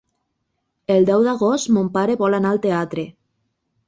El deu d'agost mon pare vol anar al teatre.